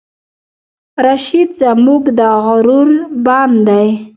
راشد زمونږه د غرور بام دی